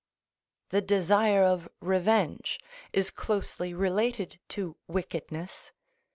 The desire of revenge is closely related to wickedness.